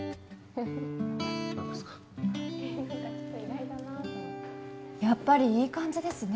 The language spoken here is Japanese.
何ですかやっぱりいい感じですね